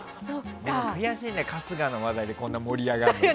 悔しいね、春日の話題でこんなに盛り上がるの。